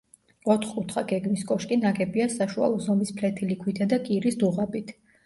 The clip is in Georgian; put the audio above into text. ოთხკუთხა გეგმის კოშკი ნაგებია საშუალო ზომის ფლეთილი ქვითა და კირის დუღაბით.